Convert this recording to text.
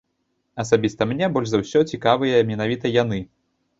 Асабіста мне больш за ўсё цікавыя менавіта яны.